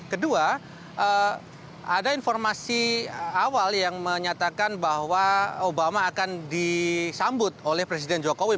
kedua ada informasi awal yang menyatakan bahwa obama akan disambut oleh presiden jokowi